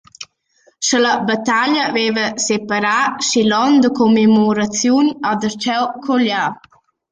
Scha la battaglia vaiva separà, schi l’on da commemoraziun ha darcheu collià.